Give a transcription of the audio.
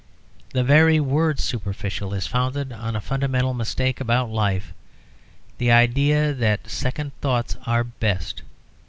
The very word "superficial" is founded on a fundamental mistake about life, the idea that second thoughts are best.